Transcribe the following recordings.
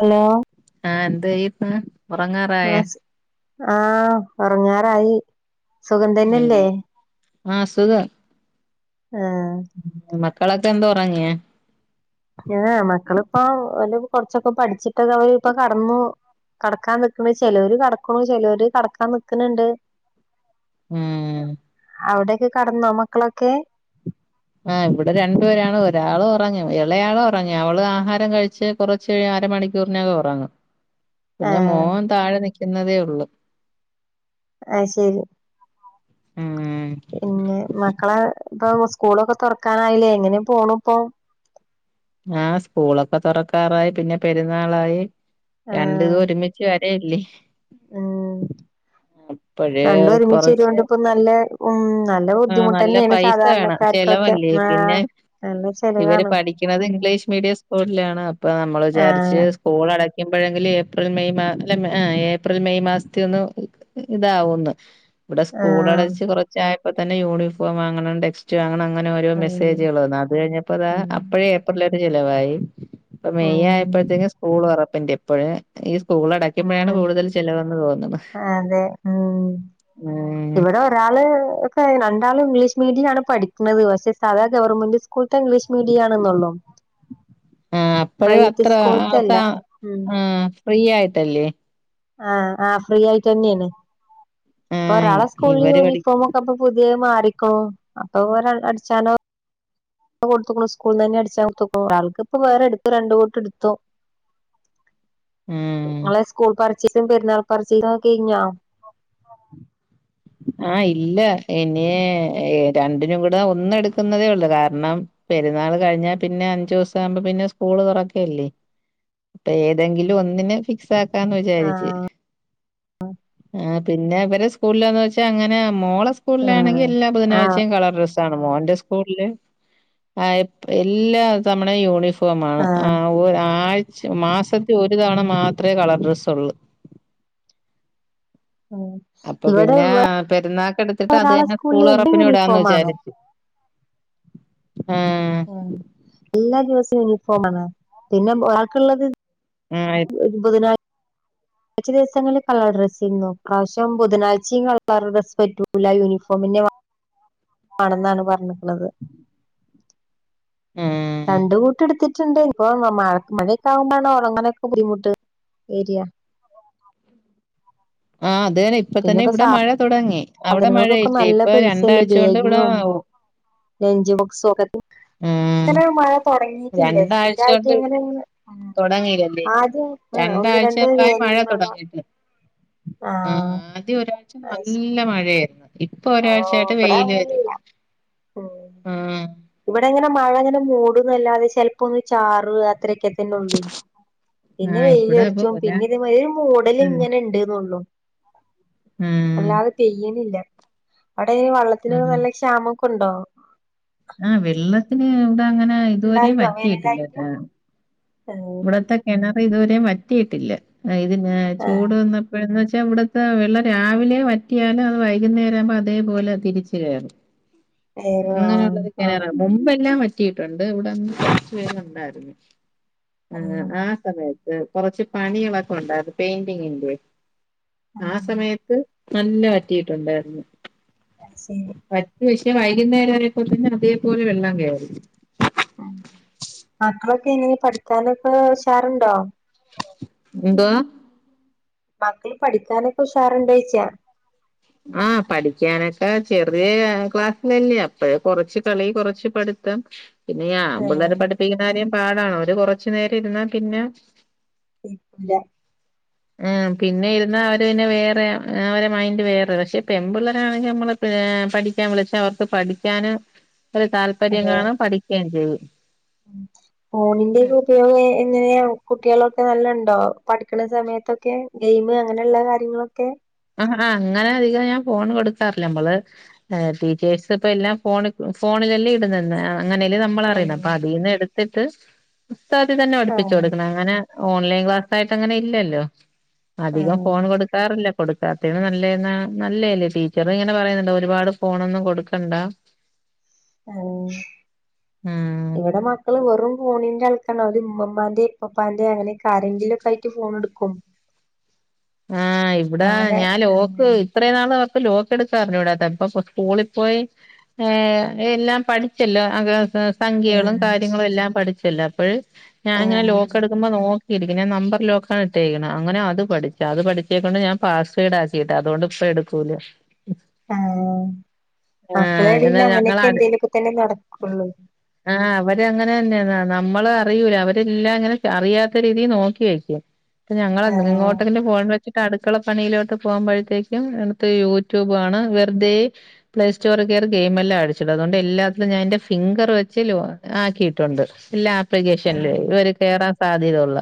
Hello ആഹ് എന്ത് ചെയ്യ്പ്പ ആഹ് ആഹ് ഉറങ്ങാറായി ഉം സുഖംതന്നെല്ലേ ആഹ് സുഖം ആഹ് മക്കളൊക്കെ എന്താ ഉറങ്ങിയ മക്കളിപ്പ ഓല്കൊറച്ചൊക്കെ പഠിച്ചിട്ട് ഓല്താഇപ്പ കടന്നു കടക്കാൻ നിക്ക്ണു ചെലോര് കടക്കണു ചെലോര് കടക്കാൻ നിക്ക്ണുണ്ട് ഉം അവിടെൊക്കെ കടന്നു മക്കളൊക്കെ ആഹ് ഇവിടെ രണ്ടുപേരാണ് ഒരാള് ഉറങ്ങി ഇളയാളും ഉറങ്ങി അവള് ആഹാരം കഴിച്ച് കുറച്ച് അരമണിക്കൂറിനകം ഉറങ്ങും [inaudible] പിന്നെ മോൻ താഴെ നിക്കുന്നതേ ഉള്ളു ആഹ് ശരി ഉം പിന്നെ മക്കളെ ഇപ്പൊ സ്കൂളൊക്കെ തുറക്കാനായില്ലേ എങ്ങനെ പോണ് ഇപ്പൊ ആഹ് സ്കൂളൊക്കെ തുറക്കാറായി പിന്നെ പെരുന്നാളായി ആ രണ്ടും ഒരുമി ല്ലെ ഉം ഇപ്പഴ് രണ്ട് ഒരുമിച്ച് കൊറച്ച് വരോണ്ട് ഇപ്പ നല്ല ഉം നല്ല ആഹ് ബുദ്ധിമുട്ട് നല്ല തന്നെയാണ് പൈസ വേണം സാധാരണക്കാർക്കൊക്കെ ചെലവല്ലേ ആ പിന്നെ നല്ല ശ ഇവര് പഠിക്കണുന്നത് ഇംഗ്ലീഷ് മീഡിയം സ്കൂളിലാണ് അപ്പൊ നമ്മൾ ആ വിചാരിച്ച് കോൾ അടയ്ക്കുമ്പോഴെങ്കും ഏപ്രിൽ മെയ് മാ അ ഏപ്രിൽ മെയ് മാസത്തി ഒന്ന് ഇതാവുന്നു ഇവിടെ സ്കൂൾ ആഹ് അടച്ച് കൊറച്ചായപ്പോ തന്നെ യൂണിഫോം വാങ്ങണണ്ട് ടെക് റ്റ അങ്ങന അങ്ങനെഓരോ ഉം മെസ്സേജുകൾ വന്നു അത് കഴിഞ്ഞപ്പോതാ ഉം അപ്പോഴേ ഏപ്രില ഒരു ചിലവായി ഇപ്പ മെയ്യ് ഉം ആയപ്പോഴത്തേക്കും സ്കൂൾ തുറപ്പിന്റെ ഇപ്പോഴേ ഈ സ്കൂൾ ആണ് അടക്കുമ്പോഴാണ് കൂടുതൽ ചിലവെന്ന് തോന്നുന്നത് അതെ ഉം ഏ ഇവിടെ ഒരാള് ഒക്കെ രണ്ടാളും ഇംഗ്ലീഷ് മീഡിയം ആണ് പഠിക്കുന്നത് പക്ഷെ സാദാ ഗവൺമെന്റ് സ് സ്കൂളത്തെ ഇംഗ്ലീഷ് മീഡിയ ആണന്നള്ളോ ആ അപ്പഴും പ്രൈവറ്റ് അത്ര സ്കൂളത്തെയല്ല അവസാ ഉം ആ ഫ്രീ ആയിട്ടല്ലേ ആ ആ ഫ്രീ ആയിട്ട് തന്നെയാണ് ആ ഇപ്പൊ ഒരാളെ സ്കൂളിൽ ഇവര് പഠി യൂണിഫോമ മൊക്കെ പുതിയ മാറിക്കോ അപ്പൊ ഒര അടിച്ചാനോ കൊടത്തുക്കുണു സ്കൂളിൽ നിന്ന് തന്നെ അടിച്ചാ കൊടു ഒരാൾക്ക് ഇപ്പൊ വേറെ എടുത്തു രണ്ടുകൂട്ടെ എടുത്തു [inaudible] ഉം നിങ്ങളെ സ്കൂൾ പർച്ചീസും പെരുന്നാൾ പർച്ചീസും ഒക്കെ കഴിഞ്ഞോ ആഹ് ഇല്ല ഇനി രണ്ടിനും കൂടെ ഒന്ന് എടുക്കുന്നതേ ഉള്ളു കാരണം പെരുന്നാൾ കഴിഞ്ഞാ പിന്നെ അഞ്ചു ദിവസം ആകുമ്പ പിന്നെ സ്കൂള് തുറക്കല്ലേ ഏതെങ്കിലും ഒന്നിന് ഫിക്സ് ക്കാന്ന് വിചാരിച്ച് ആഹ് ആ പിന്നെ ഇവരെ സ്കൂളിലാന്ന് വച്ചാ- പക്ഷേ അങ്ങനെ മോളെ സ്കൂളിലാണെങ്കി ആഹ് എല്ലാ ആഹ് ബുധനാഴ്ചയും കളർ ഡ്രസ്സ് ആണ് മോന്റെ സ്കൂളില് ആ എല്ലാ തവണയും യൂണിഫോ- ഫോമാണ് ആഹ് ആഴ്ച മാസത്തി ഒരു തവണ ആഹ് മാത്രമേ കളർ ഡ്രെസ്സള്ളു ആ അപ്പൊ പിന്നെ പെരുന്നാക്ക് എടുത്തിട്ട് അത് ഒരാളെ തന്നെ സ്കൂളിൽ സ്കൂൾ എന്നും തുറപ്പിനും ഇടാന്ന് യൂണിഫോമാണ് വിചാരിച്ചു ആഹ് എല്ലാ ദിവസവും യൂണിഫോമാണോ പിന്നെ ബാക്കിയുള്ളത് ആ ബുധനാ- കുറു ദിവസങ്ങളില് കളർ ഡ്രസ്സാരുന്നു ഇപ്രാവശ്യം ബുധനാഴ്ചയും കളർ ഡ്രസ് പറ്റൂില്ല യൂണിഫോമ് തന്നെ വേണം ആണെന്നാണ് പറഞ്ഞിട്ടുള്ളത് ഉം രണ്ട കൂട്ട് എടുത്തിട്ടുണ്ട് ഇപ്പൊ മഴ മഴയൊക്കെ ആകുമ്പ ഒണങ്ങാനെയൊക്കെ ബുദ്ധിമുട്ട് ഏരിയാ ആ അത്‌ തനെ ഇപ്പ പിന്നെ തന്നെ ഇപ്പോ ഇവിടെ മഴ തുടങ്ങി അവിടെ സാധനങ്ങൾക്കൊക്കെ മഴയില്ലേ നല്ല ഇപ്പൊ പൈസയല്ലേ രണ്ടാഴ്ച കൊണ്ട് ഇവിടെ ബാഗിനും ലഞ്ച് ബോക്സൊക്കെ ഉം ഇങ്ങനെ മഴ തുടങ്ങീയിട്ടില്ല സ്ഥിരമായിട്ട് ഇങ്ങനെ ഇങ്ങനെ തുടങ്ങിയില്ല ഒന്ന് രണ്ട് രണ്ടാഴ്ചയക്കായി മഴ വേനൽ തുടങ്ങീട്ട് ആ ആഹ് ആദ്യം ഒരാഴ്ച അത് ശ നല്ല മഴയായിരുന്നു ഇപ്പൊ ഓ ഒരാഴ്ചായിട്ട് ഇവിടെ വെയില് വരും അങ്ങനെല്ല ഉം ആഹ് ഇവിടെ ഇങ്ങനെ മഴ അങ്ങനെ മൂടുന്നല്ലാതെ ചിലപ്പോ ഒന്ന് ചാറു അത്രയൊക്കെ തന്നെ ഉള്ളൂ പിന്നെ ആഹ് ഇവിടെ ഇപ്പൊ വെയിലിയറച്ചു ഒരാ പിന്നെ ഇതമാതി ഒരു മൂടല ഉം ഇങ്ങനെ ഉണ്ട്ന്നള്ളു ഉം അല്ലാതെ പെയ്യിണില്ല അവിടെ വെള്ളത്തിനൊക്ക ഉം നല്ല ക്ഷാമൊക്കെ ഉണ്ടോ ആഹ് വെള്ളത്തിന് ഇവിടങ്ങനെ ഇതുവരെ ഉണ്ടായിന്നോ വറ്റിയിട്ടില്ല വേനലായിട്ട് ആഹ് ഇവിടത്തെ കിണറ് ഇതുവരെ വറ്റിയിട്ടില്ല ഇതിന ആഹ് ചൂട് വന്നപ്പോഴന്ന് വെച്ചാ ഇവിടെ ഇവടുത്തെവെള്ളം രാവിലെ വറ്റിയാലും അത് വൈകുന്നേരം ആവുമ്പോ അതേപോലെ തിരിച്ചു കയറും ഏഹ് ആഹ് അങ്ങനെയുളള ഒരു ആഹ് കിണറാ മുമ്പെല്ലാം വറ്റിയിട്ടുണ്ട് ഇവിടെന്ന് കുറച്ച വരുന്നുണ്ടായിരുന്നു ആ ഉം ആ സമയത്ത് കൊറച്ച് പണികളൊക്കെ ഉണ്ടായിരുന്നു പെയിന്റിങ്ങിന്റെ ആ ഉം സമയത്ത് നന്ന വറ്റിയിട്ടുണ്ടായിരുന്നു അത് ശരി വറ്റി പക്ഷേ വൈകുന്നേര ആയപ്പോത്തേന് തന്നെ അതേപോലെ വെള്ളം കയറി മക്കളൊക്കെ ഇനി പഠിക്കാനൊക്കെ ഉഷാറുണ്ടോ എന്തുവാ മക്കള് പഠിക്കാനൊക്കെ ഉഷാറുണ്ടോ ചോദിച്ചായാ ആഹ പഠിക്കാനിട്ട് ചെറിയ ക്ലാസ് ലല്ലേ അപ്പൊ കൊറച്ച് കളി കൊറച്ച് പട്ത്തം. പിന്നെ ഞാ അപ്പൊ ഏഹ് പഠിപ്പിക്കുന്ന കാര്യാ പാടാണ് ഒര് കൊറച്ചു നേരം ഇരുന്നാ പിന്നെ. ല്ല. ഉ പിന്നെ ഇരുന്നാ അവര്ന്നെ വേറെ അവരെ മൈന്ഡറ് വേറെ. പക്ഷെ പെൺപിള്ളേരാണെങ്കിൽ നമ്മള് പഠിക്കാൻ വിളിച്ച അവർക്ക് പഠിക്കാന് ഒരു താല്പ പര്യംകാണുംപഠിക്കേയും ചെയ് ഫോണിന്റെക് എങ്ങനെയാ കുട്ട്യോളൊക്കെ നല്ല ഉണ്ടോ പഠിക്ണ സമയത്തൊക്കെ ഗെയിം അങ്ങനെയുള്ള കാര്യങ്ങളൊക്കെ. ആ ആ അങ്ങനെ അധികം ഞാൻ ഫോൺ കൊടുക്കാറില്ല നമ്മള്. ടീച്ചേഴ്സ് ഇപ്പ എല്ലാം ഫോ ഫോണിലല്ലേ ഇടുന്നന്ന് അങ്ങനെല്ലെ നമ്മളറിണ അപ്പ ആഹ് അതിന്ന് എടുത്തിട്ട് പുസ്ത തന്നെ പഠിപ്പിച്ചച്ച് ആഹ് കൊടുക്കണെ അങ്ങനെ. ഓൺലൈൻ ക്ലാസ് ആയിട്ട് അങ്ങനെ ഇല്ലല്ലോ അധികം ആഹ് ഫോൺ കൊടുക്കാറില്ല കൊടുക്കാതെ നല്ലേല്ലേ ടീച്ചറി ഇങ്ങനെ പറയുന്നുണ്ട് ഒരുപാട് ഫോണൊന്നും കൊടുക്കണ്ട. ഉം ഉം ഇങ്ങളടെ മാ. മക്കള് വെറും ഫണിന്റെ ആൾക്കാരാണ് അത് ഉമ്മമാന്റെ ഇപ്പപ്പാന്റെ അങ്ങനെ ആരെ ങ്കിലുംഒക്കെ ആയിട്ട് ഫോൺ എടുക്കും. ആഹ് ഇവിടാ അങ്ങനെ ഞാൻ ലോഓക്ക്. ആഹ് ഇത്രയും നാള് അവർക്ക് ലോക്ക് എടുക്കാറിഞ്ഞൂടാതെപ്പ സ്കൂളിൽ പോയി. ഏഹ എല്ലാം പഠിച്ചല്ലോ. സംഖ്യകളും ആഹ് കാര്യങ്ങളും എല്ലാം പഠിച്ചല്ലോ അപഴ് ഞാങ്ങനെ ആഹ് ലോക്ക എടുക്കുമ്പോ നോ ഇിരിക്കും ഞാൻ നമ്പർ ലോക്കാണ് ഇട്ടേക്ണെ അങ്ങനെ അത് പഠി പ അത് പഠിച്ചേ കൊണ്ട് ഞാൻപാ സ്വേഡ് ആക്കിയിട്ടാഅതുകൊണ്ട് ഇപ്പ എടുകൂല. ആ ആഹ് മക്കളെ ഇടല് എന്നാൽ ഞങ്ങള അങ്ങനെയൊക്കെ എന്തേലുമൊക്കെ തന്നെ നടക്കുള്ളൂ. ആഹ അവരങ്ങനെ തന്നെയാ നമ്മള് അറിയൂല അവരെല്ലാം അങ്ങനെ അറിയാത്ത രീതിയിൽ നോക്കി വയ്കും. ഇ ഞങ്ങെളെ ഇങ്ങോ ആഹ് ൻ വെച്ചിട്ട് അടുക്കള പണിയിലോട്ട് പോകുമ്പോഴത്തേക്കും എൻക് യൂട്യൂബ് വേണംവെറുതെ. പ്ലേ സ്റ്റോർ കയറി ഗെയിം എല്ലാം അടിച്ചിട്ടും അതുകൊണ്ട് എല്ലാത്തിലും ഞാ എൻന്റെ ഫിംഗർ വെച്ചും ആക്കിയിട്ടുണ്ട്. ഇല്ല ആപ്ലിക്കേഷനൽേ ആഹ് ഇവരെ കേയറാൻ സാധ്യതള്ള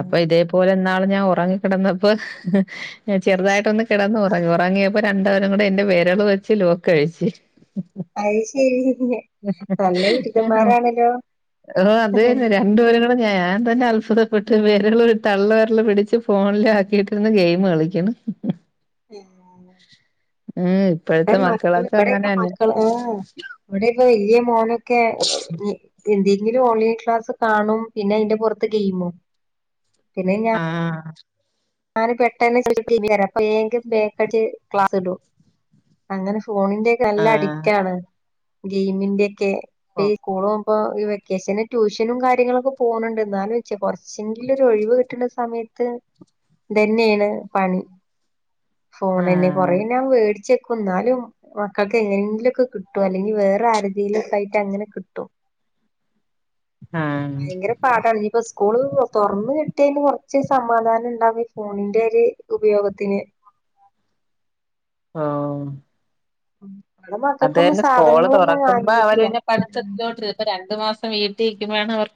അപ്പൊ ഇതേ. തുപോലെ ന്നാള് ഞാൻ ഉറങ്ങി കിടന്നപ്പോഞാൻ ചെറുതായിട്ടൊന്ന്. കിടന്ന് ഉറങ്ങി ഉറങ്ങിയപ്പോ രണ്ടപേരും കൂടെ എന്റെ വിരള് വെച്ച് ലോക്കഴിച്. അത് ശരി നല്ല ആ ആണോഅത് തന്നരാ. ബിരുദന്മാരാണല്ലോ രണ്ടുപേരും കൂടെ ഞാൻ തന്നെ അത്ഭുതപ്പെട്ട് വേരള് തള്ളവരള് പിടിച്ച് ഫോണില ആക്കിട്ടിരുന്ന് ഗെയിം കളിക്ണ്. ഉം. ഉം ഇപ്പോഴത്തെ മക്കളൊക്കെ ഇവിടെയൊക്കെ അങ്ങനെന്നെ. മക്കൾ ആ അവിടെ ഇപ്പൊ വലിയ മോനൊക്കെ ഇന്റി ഓൺലൈ ക്ലാസ്ണും പിന്നെ അയിൻ്റെ പൊറത്ത് ഗെയിമും. ആഹ. ഞാന് പെട്ടന്നെ [unintelligible] ബേക് ബേക്കക്കി ക്ലാസ് ഇടും. അങ്ങനെ ഫോണിന്റെ ഒക്കെ നല്ല ആഹ് അഡിക്റ്റ ആാണ് ഗെയിമിന്റെൊക്കെ ഓ ഇഈകൂളും. ഇപ്പൊ ഈ വെക്കേഷന് ട്യൂഷനും കാര്യങ്ങളൊക്കെ പോകുന്നുണ്ട് എന്നാലും വെച്ചാ കുറച്ചെങ്കിലും ഒരു ഒഴിവ് കിട്ട്ണ സമയത്ത്. തന്നെയാണ് പണി ഫോണന്നെ കൊറേ ആഹ് ഞാൻ വേടിച്ചെക്കും ന്നാലും. മക്കൾക്ക് എങ്ങനെങ്കിലുക്കെ കിട്ടും അല്ലെങ്കി വേറെ ആരതെ ലുംക്കെ ആയിട്ട് അങ്ങനെ കിട്ടും. ആഹ് ഭയങ്കര പാടാണ് ഇഞ്ഞിപ്പൊ. സ്കൂള് തൊറന്ന് കിട്ടിയന് കുറച്ച് സമാധാനം ഉണ്ടാവും ഫോണിന്റെ ഒരു ഉപയോഗത്തിന്. ആഹ. നമ്മടെ അത് മക്കൾക്കൊന്നും തന്നെ സ്കൂള് സാധനങ്ങളൊന്നും തുറക്കുമ്പോ അവര് വാങ്ങിയിട്ടില്ല പിന്നെ പഠിത്തത്തിലോട്ട് ഇപ്പ രണ്ടു മാസം വീട്ടിലിരിക്ക്ബ്ബയാണ് അവർ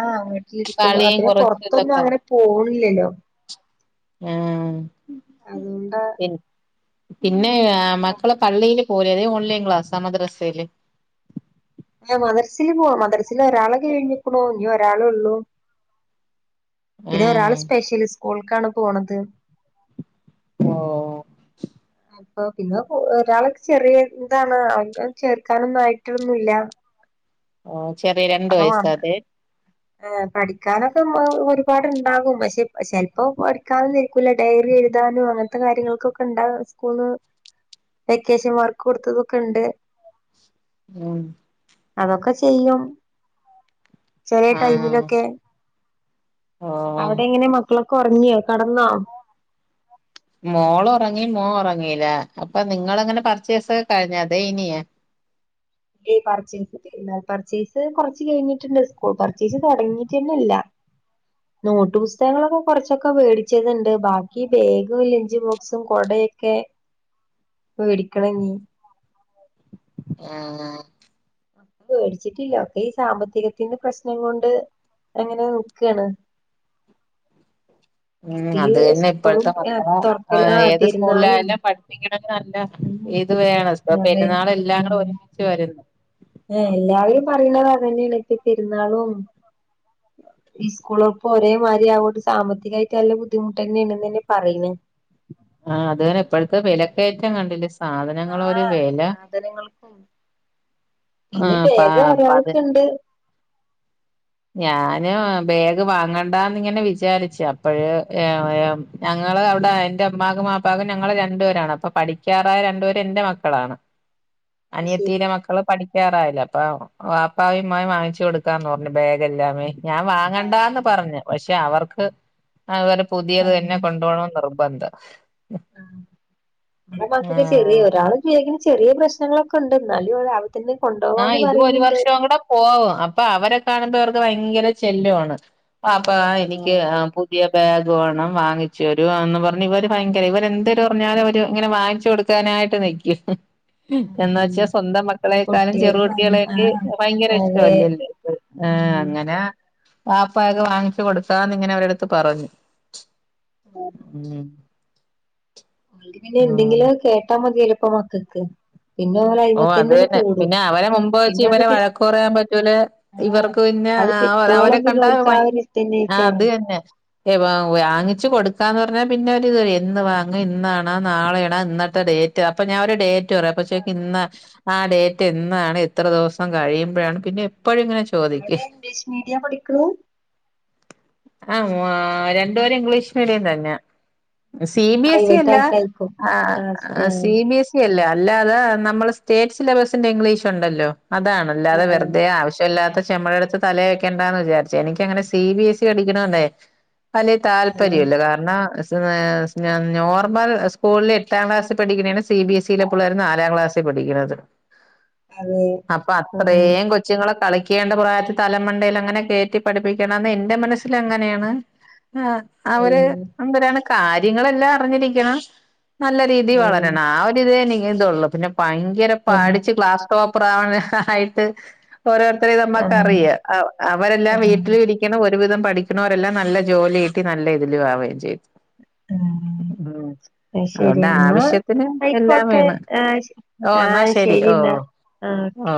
ആഹ് വീട്ടിലിരിക്കുമ്പോ പിന്നെ പുറത്തൊന്നും അങ്ങനെ പോണില്ലല്ലോ. ഉം. അതുകൊണ്ടാ. പിന്നെ മക്കള് പള്ളില് പോ യിലെ ഓൺലൈൻ ക്ലാസ് മദ്രസയില്. മദർസില് പോവും മദർസില് ഒരാളെ കഴിഞ്ഞിക്ണു ഇനി ഒരാളെ ഉള്ളു. പിന്നെ ഒരാള് ആഹ് സ്പെഷ്യല് സ്കൂൾക്കാണ് പോണത്. ഓ അപ്പൊ പിന്നെ ഒരാളൊക്കെ ചെറിയ എന്താണ് അവൾക്ക്ചേർക്കാനൊന്നും ആയിട്ടൊന്നുല്ല. ചെറിയ രണ്ട് വയസ്സാതെ. ഏ പഠിക്കാനൊക്കെ ഒരുപാടുണ്ടാകും പക്ഷെ ചിലപ്പോ പഠി. കളിക്കാനൊന്നിരിക്കൂല ഡയറി എഴുതാനും അങ്ങനത്തെ കാര്യങ്ങൾക്കൊക്കെ ഉണ്ടാകും സ്കൂൾന്ന്. വെക്കേഷൻ വർക്ക് കൊടുത്തതൊക്കെണ്ട്. ആ അതൊക്കെ ചെയ്യും. ചെലേ ആഹ് ടൈമിലൊക്കെ. ഓ അവിടെ എങ്ങനെ മക്കളൊക്കെ ദറങ്ങിയോ കടന്നോ. മോള് ഉറങ്ങി മോഒറങ്ങീല അപ്പൊ നിങ്ങളങ്ങനെ പർച്ചേസൊക്കെ കഴിഞ്ഞ അതെ ഇനിയേ. ഏയ് പറിച്ചേ. പെര്ന്നാൾ പർച്ചേസ് കുറച്ച് കഴിഞ്ഞിട്ടുണ്ട് സ്കൂൾ പർച്ചേസ് തുടങ്ങിയിട്ട് തന്നെ ഇല്ല. നോട്ട് പുസ്തകങ്ങളൊക്കെ കുറച്ചൊക്കെ മേടിച്ചതുണ്ട് ബാക്കി ബേഗും ലഞ്ച്ബോ. ക്സും കൊടയൊക്കെ മേടിക്കണനീ. ആഹ് ആഹ്. മേടിച്ചിട്ടില്ല ഒക്കെ ഈ സാമ്പത്തികത്തിന്റ പ്രശ്നം കൊണ്ട്. അങ്ങനെ നിക്കാണ്. ഉം അപ്പൊ ഈ അത് തന്നെ സ്കൂളും ഇപ്പോഴത്തെ ആ, തുറക്കല് മക്കളെ ആ ഏത് പെരുന്നാളും സ്കൂളിലായാലും പഠി. ഇങ്ങളത് നല്ല ഉം ഇത് വേണം സ്കൂള അതെ പെരുന്നാൾ ഇല്ലാതും ഒരുമിച്ച് വരല്ലേ. ഏ എല്ലാവരും പറയണത് അതന്നെണ്പ്പ പെരുന്നാളും. ഈ സ്കൂളൊർപ്പ് ഒരേമാതിരി ആ കോട് സാമ്പത്തികായിട്ട് നല്ല ബുദ്ധിമുട്ട് തന്നെയാണ്ന്നതന്നെ പറീണ്. ആ അതന്നെ ഇപ്പഴത്തെ വില കയറ്റം കണ്ടില്ല സാധനങ്ങളരു ആഹ് വില. സാധനങ്ങൾക്കും പിന്നെ ബേഗ് പത് ഒരാൾക്കുണ്ട്. ഞാന് ബാഗ് വാങ്ങണ്ടാന്ന്ങ്ങനെ വിചാരിച്ചു അപ്പഴ. ഞങ്ങള് അവിടെ എന്റെ ഉമ്മാക്കും വാപ്പാക്കും ഞങ്ങള് രണ്ടുപേരാണ് അപ്പൊ പഠിക്കാറായ രണ്ടുപേര് എന്റെ മക്കളാണ്. [inaudible] അനിയത്തി ടെ മക്കള് പഠിക്കാറായില്ല അപ്പൊ വാപ്പായും മ്മായും വാങ്ങിച്ചു കൊടുക്കാന്ന് പറഞ്ഞു. ബാഗല്ലാന് ഞാൻ വാങ്ങണ്ടന്ന് ആഹ് പറഞ്ഞു പക്ഷെ അവർക്ക് അവ. പുതിയത് ആഹ് തന്നെ കൊണ്ടു പോണം നിർബന്ധം. ആ മൂന്ന് മാസത്തെ ആഹ് ചെറിയ ഒരാള്. ബേഗിന് ചെറിയ പ്രശ്നങ്ങളൊക്കെ ഉണ്ട് എന്നാലും അതവന്നെ. ആഹ് ഇത് ഒരു വർഷം കൂടെ. ഓ അപ്പൊ അവരെ കാണുമ്പോ അവർക്ക് ഭയങ്കര ചെല്യുമാണ് ബാപ്പാ എനിക്ക്. ആഹ് പുതിയ ബാഗ് വേണം വാങ്ങിച്ചു തരോ എന്ന് പറഞ്ഞ് ഇവര് ഭയങ്കര ഇവര് എന്ത് പറഞ്ഞാലും അവര് ഇങ്ങനെ വാങ്ങിച്ചു കൊടു. കൊടുക്കാനായിട്ട് നിക്കും ആഹ് എന്വച്ചാ സ്വന്തം മക്കളെ. എക്കാലം കുട്ട്യേള് പറയും ചെറുകുട്ടികളെക്കെ ആഹ് ഭയങ്കര അതെ ഇഷ്ടല്ലേ ആ ഉം അങ്ങനെ. ആപ്പായകെ വാങ്ങിച്ചു കൊടുത്താന്ന് ഇങ്ങനെ അവരടുത്ത് പറഞ്ഞു. ഉം പിന്നെ ഓഹ് എന്തെങ്കിലും കേട്ടാ മതിയല്ല ഇപ്പ മക്കൾക്ക് പിന്നോലായി. ഓ അത് തന്നെ പിന്നെ അവരെ മുമ്പ് വെച്ച് അത് ഇവരെ കി വഴക്കറയാൻ പറ്റൂല. ആഹ് ഇവർക്ക് പിന്നെ അത് അവരെ കിട്ടോളം പിന്നെ കണ്ട ഓൽക്ക് ആ ഭയങ്കര ഒരു ആ അത് ഇതന്നേക്കാരം തന്നെ. ഏ വാങ്ങിച്ചു കൊടുത്ത്. ക്കാ എന്ന് പറഞ്ഞാൽ പിന്നെ ഒരുഇത് എന്ന് വാങ്ങ ഇന്നാണ്. നാളെയണാ ഇന്നത്തെ ഡേറ്റ് അപ്പം ഞാൻ ഒരു ഡേറ്റ് പറയായും അപ്പോൾ ച ആഹ് ഇന്ന് ആ ഡേറ്റ് എന്നാണ് എത്ര ദിവസം കഴിയുമ്പോഴാണ് പിന്നെ എപ്പോഴും ഇങ്ങനെ. അവിടെ ചോദിക്കും ഇംഗ്ലീഷ് മീഡിയ പഠിക്കൂണു. ആഹ് ആ രണ്ടുപേരും ഇംഗ്ലീഷ് മീഡിയം തന്നെയാ സി ബിഎസ് സി പ്രൈവറ്റ് അല്ല ആയിട്ടായിരിക്കും ആ ആഹ് ഏഹ് സി ബിഎസ് ല്ല അല്ലാതെ നമ്മൾ സ്റ്റേറ്റ് സിലബസിന്റെ ഇംഗ്ലീഷ്ണ്ടല്ലോ അതാണ്. ആഹ് അല്ലാതെവെറുതേ ആവശ്യമല്ലാത്ത ചെമടെടുത്ത് തലേ വെക്കേണ്ടാന്ന് വിചാരിച്ച് എനിക്കങ്ങനെ സി ബി എസ് ഇ പഠിക്ക്ണോണ്ടെ വലിയ ആഹ് താല്പര്യല്ല കാര ആ ആ നോർമൽ സ്കൂളിൽ എട്ടാം ക്ലാസ്ൽ പഠിക്ക്ണേ സി ബി എസിലെ പിള്ളേര്ളനാലാം ക്ലാസ് പഠിക്ക്ണത് അതെ അപ്പൊ ആഹ് അത്രേം കൊ ച്ചുങ്ങളെ കളിക്കേണ്ട പ്രായത്തി തലമണ്ടയിൽ അങ്ങനെ കേറ്റി പഠിപ്പിക്കേണ്ടന്ന് എന്റെ മനസ്സിലങ്ങനേണ് ആ അവര് എന്തരാണ് കാര്യങ്ങളെല്ലാം അറിഞ്ഞിരിക്കണം. നല്ല രീതി വളരണം ആ ഒരുരിതേനി ഇതേയെനിക്കെത്തൊള്ളു പിന്നെ ഭയങ്കര പഠിച്ച് ക്ലാസ് ടോപറാവണ ഹാ യിട്ട് ഓരോരുത്തരെ ആഹ് നമ്മക്കറിയാ അ അവരെല്ലാം ആഹ് വീട്ടിലിരി ന്ന് ഒരുവിധം പഠിക്ക്ണോരെല്ലാം നല്ല ജോലി കിട്ടി നല്ല ഇതില് ആവേം ചിയും. ഉം ശരി അതൊണ്ട് ആവശ്യത്തിന് എല്ലാം വേണ് ആഷ് ഓ ന്നാ ശരി ഓ ഓ